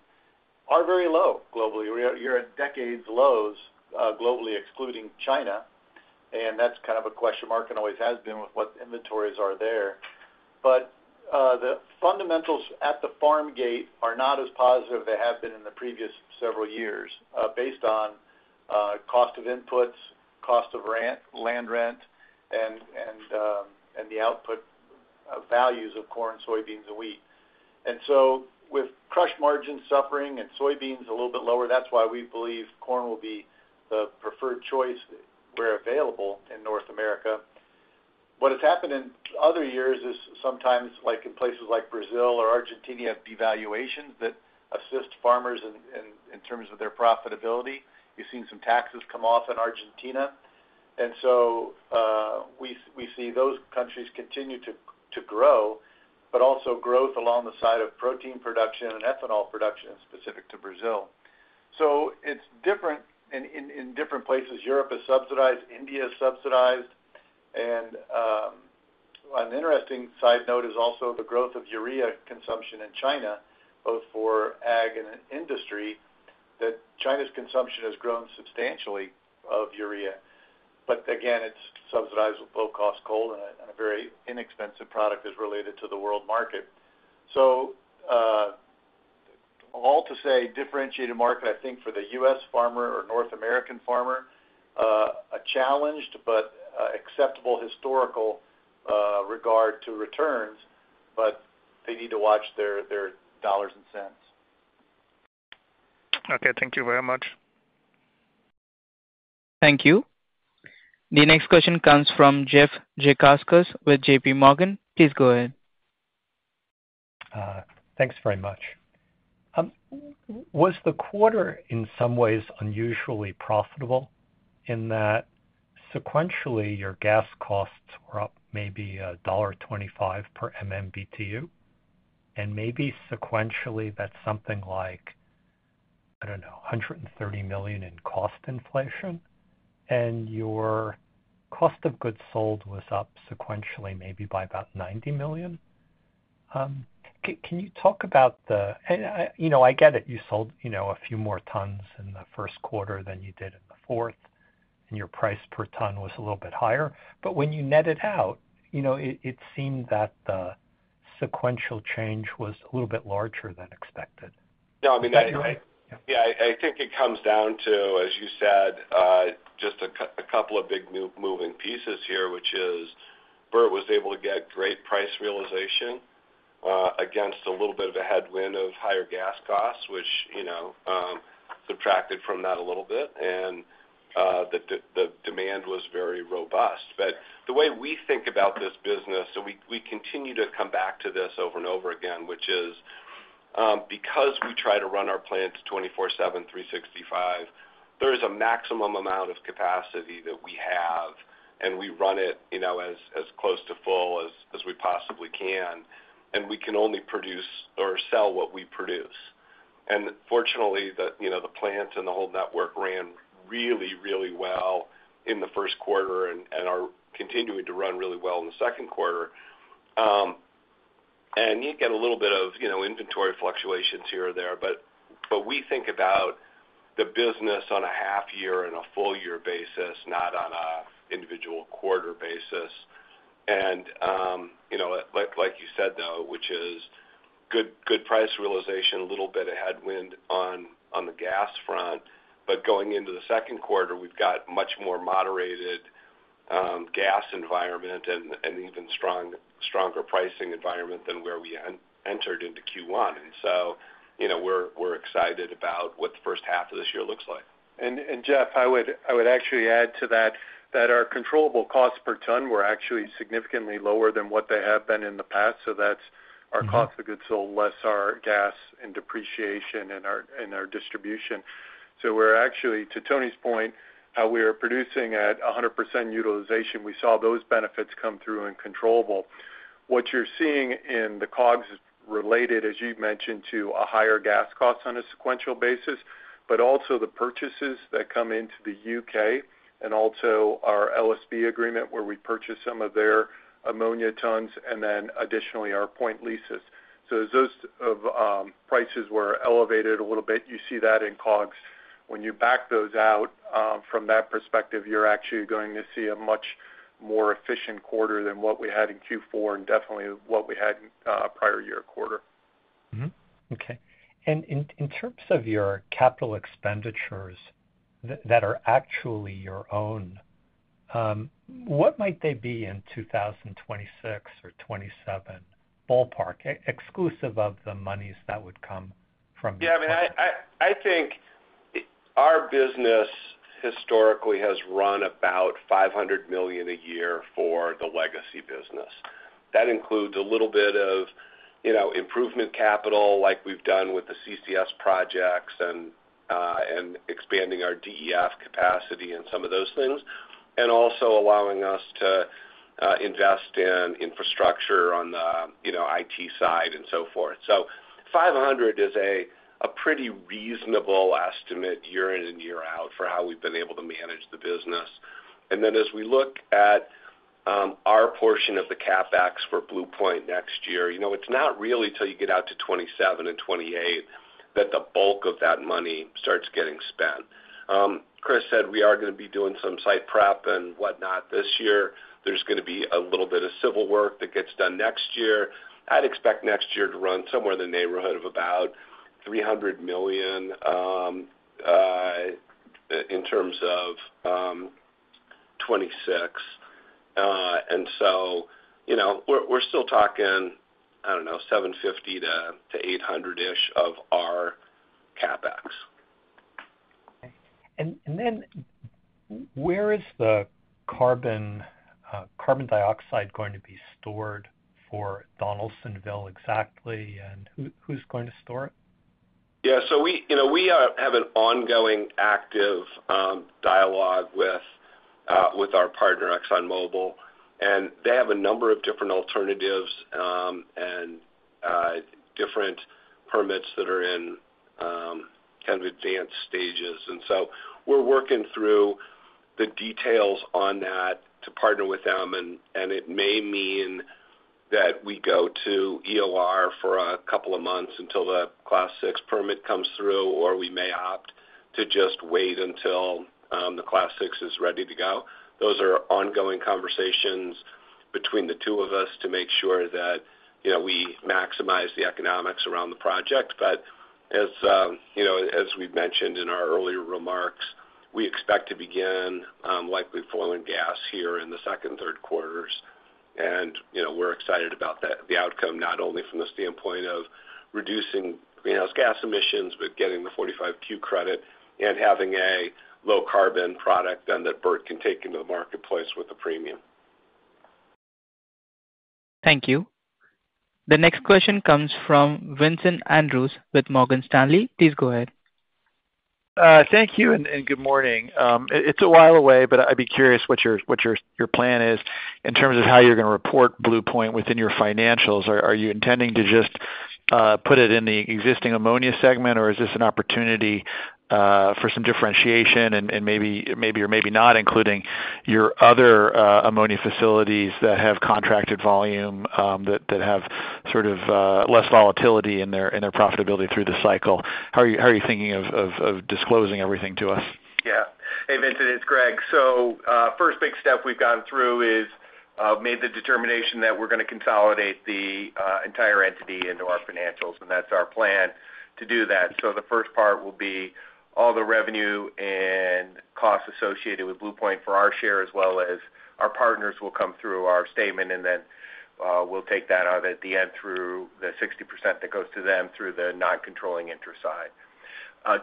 Speaker 5: are very low globally. We're at decades lows globally, excluding China. And that's kind of a question mark and always has been with what inventories are there. But the fundamentals at the farm gate are not as positive as they have been in the previous several years based on cost of inputs, cost of land rent, and the output values of corn, soybeans, and wheat. And so with crush margins suffering and soybeans a little bit lower, that's why we believe corn will be the preferred choice where available in North America. What has happened in other years is sometimes in places like Brazil or Argentina have devaluations that assist farmers in terms of their profitability. You've seen some taxes come off in Argentina. And so we see those countries continue to grow, but also growth along the side of protein production and ethanol production specific to Brazil. So it's different in different places. Europe is subsidized. India is subsidized. And an interesting side note is also the growth of urea consumption in China, both for ag and industry, that China's consumption has grown substantially of urea. But again, it's subsidized with low-cost coal and a very inexpensive product as related to the world market. So all to say, differentiated market, I think for the U.S. farmer or North American farmer, a challenged but acceptable historical regard to returns, but they need to watch their dollars and cents.
Speaker 15: Okay. Thank you very much.
Speaker 1: Thank you. The next question comes from Jeffrey Zekauskas with JPMorgan. Please go ahead.
Speaker 16: Thanks very much. Was the quarter in some ways unusually profitable in that sequentially your gas costs were up maybe $1.25 per MMBtu? And maybe sequentially that's something like, I don't know, $130 million in cost inflation. And your cost of goods sold was up sequentially maybe by about $90 million. Can you talk about the—I get it. You sold a few more tons in the first quarter than you did in the fourth, and your price per ton was a little bit higher. But when you net it out, it seemed that the sequential change was a little bit larger than expected.
Speaker 3: Yeah. I mean, yeah, I think it comes down to, as you said, just a couple of big moving pieces here, which is Bert was able to get great price realization against a little bit of a headwind of higher gas costs, which subtracted from that a little bit, and the demand was very robust, but the way we think about this business, and we continue to come back to this over and over again, which is because we try to run our plants 24/7, 365, there is a maximum amount of capacity that we have, and we run it as close to full as we possibly can, and we can only produce or sell what we produce, and fortunately, the plant and the whole network ran really, really well in the first quarter and are continuing to run really well in the second quarter. And you get a little bit of inventory fluctuations here or there. But we think about the business on a half-year and a full-year basis, not on an individual quarter basis. And like you said, though, which is good price realization, a little bit of headwind on the gas front. But going into the second quarter, we've got much more moderated gas environment and even stronger pricing environment than where we entered into Q1. And so we're excited about what the first half of this year looks like.
Speaker 5: And Jeff, I would actually add to that that our controllable costs per ton were actually significantly lower than what they have been in the past. So that's our cost of goods sold less our gas and depreciation and our distribution. So we're actually, to Tony's point, how we are producing at 100% utilization, we saw those benefits come through in controllable. What you're seeing in the COGS is related, as you mentioned, to a higher gas cost on a sequential basis, but also the purchases that come into the U.K. and also our LSB agreement where we purchase some of their ammonia tons and then additionally our point leases. So those prices were elevated a little bit. You see that in COGS. When you back those out from that perspective, you're actually going to see a much more efficient quarter than what we had in Q4 and definitely what we had prior year quarter.
Speaker 16: Okay. And in terms of your capital expenditures that are actually your own, what might they be in 2026 or 2027 ballpark, exclusive of the monies that would come from?
Speaker 3: Yeah. I mean, I think our business historically has run about $500 million a year for the legacy business. That includes a little bit of improvement capital like we've done with the CCS projects and expanding our DEF capacity and some of those things, and also allowing us to invest in infrastructure on the IT side and so forth. So $500 million is a pretty reasonable estimate year in and year out for how we've been able to manage the business. And then as we look at our portion of the CapEx for Blue Point next year, it's not really till you get out to 2027 and 2028 that the bulk of that money starts getting spent. Chris said we are going to be doing some site prep and whatnot this year. There's going to be a little bit of civil work that gets done next year. I'd expect next year to run somewhere in the neighborhood of about $300 million in terms of 2026. And so we're still talking, I don't know, $750 million-$800 million-ish of our CapEx.
Speaker 16: Okay. And then where is the carbon dioxide going to be stored for Donaldsonville exactly? And who's going to store it?
Speaker 5: Yeah. So we have an ongoing active dialogue with our partner, ExxonMobil. And they have a number of different alternatives and different permits that are in kind of advanced stages. And so we're working through the details on that to partner with them. And it may mean that we go to EOR for a couple of months until the Class VI permit comes through, or we may opt to just wait until the Class VI is ready to go. Those are ongoing conversations between the two of us to make sure that we maximize the economics around the project. But as we've mentioned in our earlier remarks, we expect to begin likely firing gas here in the second and third quarters. We're excited about the outcome, not only from the standpoint of reducing greenhouse gas emissions, but getting the 45Q credit and having a low-carbon product then that Bert can take into the marketplace with a premium.
Speaker 1: Thank you. The next question comes from Vincent Andrews with Morgan Stanley. Please go ahead.
Speaker 17: Thank you and good morning. It's a while away, but I'd be curious what your plan is in terms of how you're going to report Blue Point within your financials. Are you intending to just put it in the existing ammonia segment, or is this an opportunity for some differentiation and maybe or maybe not including your other ammonia facilities that have contracted volume that have sort of less volatility in their profitability through the cycle? How are you thinking of disclosing everything to us?
Speaker 6: Yeah. Hey, Vincent, it's Greg. So the first big step we've gone through is made the determination that we're going to consolidate the entire entity into our financials. And that's our plan to do that. So the first part will be all the revenue and costs associated with Blue Point for our share, as well as our partners will come through our statement, and then we'll take that out at the end through the 60% that goes to them through the non-controlling interest side.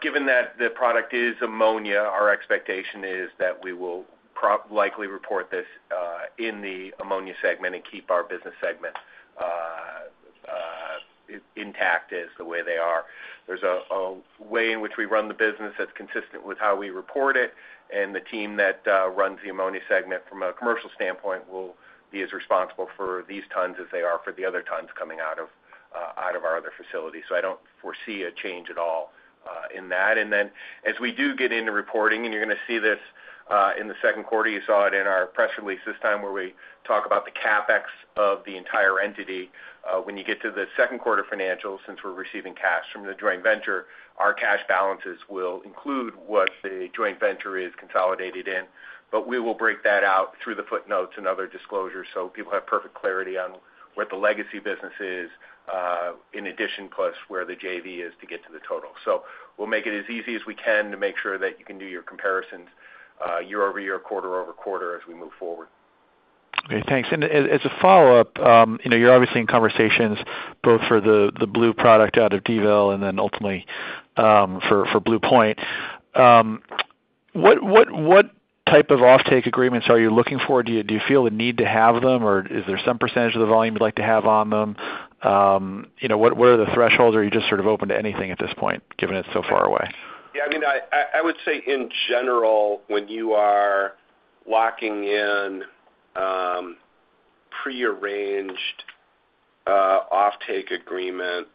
Speaker 6: Given that the product is ammonia, our expectation is that we will likely report this in the ammonia segment and keep our business segment intact as the way they are. There's a way in which we run the business that's consistent with how we report it. And the team that runs the ammonia segment from a commercial standpoint will be as responsible for these tons as they are for the other tons coming out of our other facility. So I don't foresee a change at all in that. And then as we do get into reporting, and you're going to see this in the second quarter, you saw it in our press release this time where we talk about the CapEx of the entire entity. When you get to the second quarter financials, since we're receiving cash from the joint venture, our cash balances will include what the joint venture is consolidated in. But we will break that out through the footnotes and other disclosures so people have perfect clarity on what the legacy business is in addition plus where the JV is to get to the total. So we'll make it as easy as we can to make sure that you can do your comparisons year over year, quarter over quarter as we move forward.
Speaker 17: Okay. Thanks, and as a follow-up, you're obviously in conversations both for the blue product out of DVille and then ultimately for Blue Point. What type of offtake agreements are you looking for? Do you feel the need to have them, or is there some percentage of the volume you'd like to have on them? What are the thresholds? Are you just sort of open to anything at this point, given it's so far away?
Speaker 6: Yeah. I mean, I would say in general, when you are locking in prearranged offtake agreement,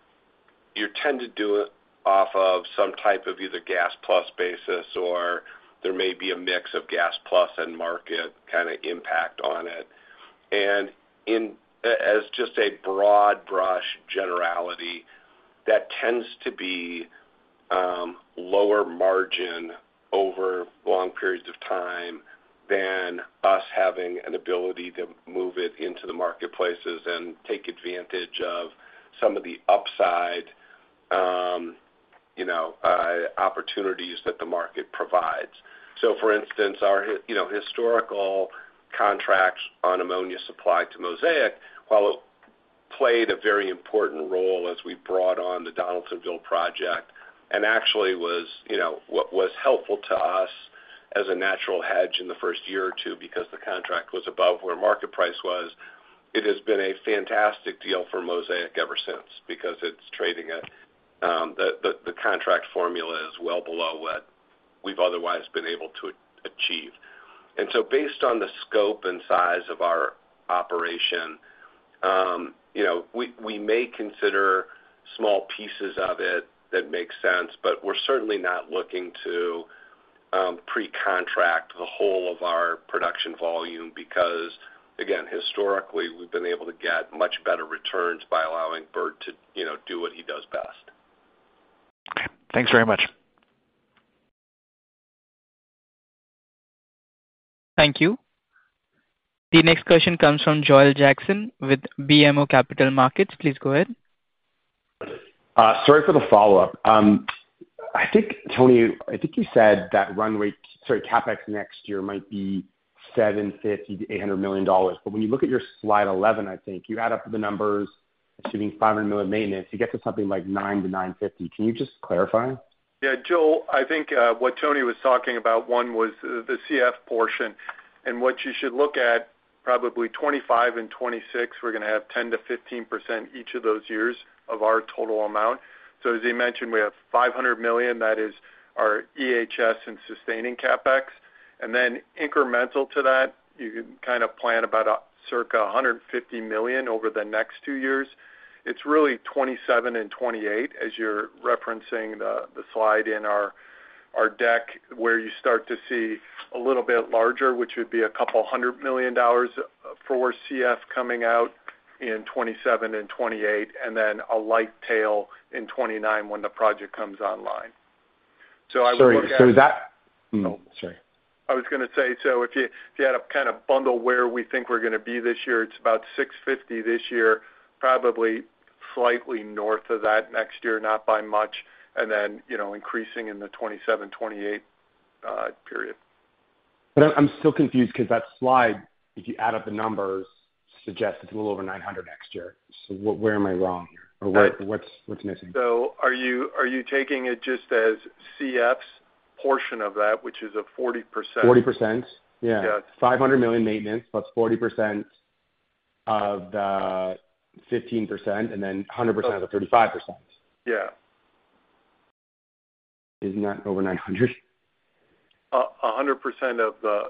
Speaker 6: you tend to do it off of some type of either gas plus basis, or there may be a mix of gas plus and market kind of impact on it. And as just a broad brush generality, that tends to be lower margin over long periods of time than us having an ability to move it into the marketplaces and take advantage of some of the upside opportunities that the market provides. So for instance, our historical contracts on ammonia supply to Mosaic, while it played a very important role as we brought on the Donaldsonville project and actually was helpful to us as a natural hedge in the first year or two because the contract was above where market price was, it has been a fantastic deal for Mosaic ever since because it's trading at the contract formula is well below what we've otherwise been able to achieve. And so based on the scope and size of our operation, we may consider small pieces of it that make sense, but we're certainly not looking to pre-contract the whole of our production volume because, again, historically, we've been able to get much better returns by allowing Bert to do what he does best.
Speaker 17: Okay. Thanks very much.
Speaker 1: Thank you. The next question comes from Joel Jackson with BMO Capital Markets. Please go ahead.
Speaker 9: Sorry for the follow-up. I think, Tony, I think you said that CapEx next year might be $750 million-$800 million. But when you look at your slide 11, I think you add up the numbers, assuming $500 million maintenance, you get to something like $900 million-$950 million. Can you just clarify?
Speaker 5: Yeah. Joel, I think what Tony was talking about, one, was the CF portion. And what you should look at, probably 2025 and 2026, we're going to have 10%-15% each of those years of our total amount. So as he mentioned, we have $500 million. That is our EHS and sustaining CapEx. And then incremental to that, you can kind of plan about circa $150 million over the next two years. It's really 2027 and 2028, as you're referencing the slide in our deck, where you start to see a little bit larger, which would be a couple hundred million dollars for CF coming out in 2027 and 2028, and then a light tail in 2029 when the project comes online. So I would look at.
Speaker 9: Sorry. So is that. Oh, sorry.
Speaker 5: I was going to say, so if you had to kind of bundle where we think we're going to be this year, it's about 650 this year, probably slightly north of that next year, not by much, and then increasing in the 2027, 2028 period.
Speaker 9: But I'm still confused because that slide, if you add up the numbers, suggests it's a little over 900 next year. So where am I wrong here? Or what's missing?
Speaker 5: So are you taking it just as CF's portion of that, which is a 40%?
Speaker 9: 40%. Yeah.
Speaker 5: Yeah.
Speaker 9: $500 million maintenance plus 40% of the 15%, and then 100% of the 35%.
Speaker 5: Yeah.
Speaker 9: Isn't that over 900?
Speaker 5: 100% of the,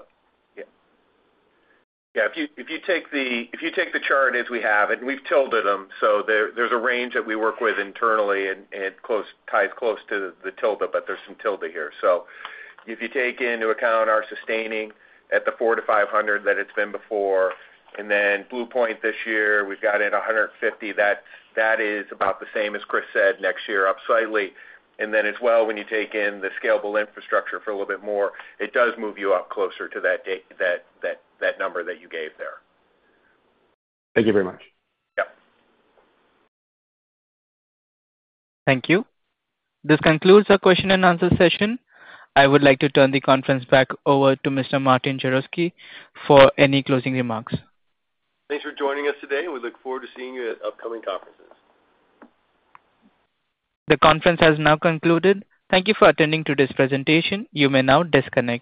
Speaker 5: yeah. Yeah. If you take the chart as we have it, and we've tilted them, so there's a range that we work with internally, and it ties close to the tilde, but there's some tilde here. So if you take into account our sustaining at the 4-500 that it's been before, and then Blue Point this year, we've got it at 150. That is about the same, as Chris said, next year up slightly. And then as well, when you take in the scalable infrastructure for a little bit more, it does move you up closer to that number that you gave there.
Speaker 9: Thank you very much.
Speaker 5: Yep.
Speaker 1: Thank you. This concludes our question and answer session. I would like to turn the conference back over to Mr. Martin Jarosick for any closing remarks.
Speaker 2: Thanks for joining us today. We look forward to seeing you at upcoming conferences.
Speaker 1: The conference has now concluded. Thank you for attending today's presentation. You may now disconnect.